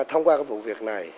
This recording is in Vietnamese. thông qua vụ việc này